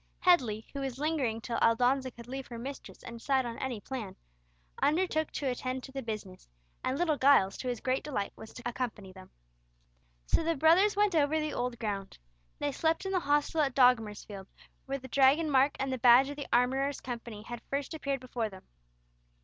Headley, who was lingering till Aldonza could leave her mistress and decide on any plan, undertook to attend to the business, and little Giles, to his great delight, was to accompany them. So the brothers went over the old ground. They slept in the hostel at Dogmersfield where the Dragon mark and the badge of the Armourers' Company had first appeared before them.